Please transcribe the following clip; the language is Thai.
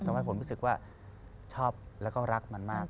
แต่ว่าผมรู้สึกว่าชอบและรักมันมาก